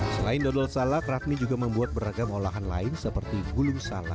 selain dodol salak rafni juga membuat beragam olahan lain seperti gulung salak